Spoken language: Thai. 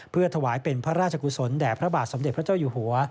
เพื่อถวายเป็นพระราชกุศลแด่พระบาทสมเด็จพระเจ้าอยู่หัว